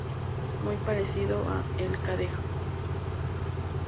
Muy parecido a El Cadejo.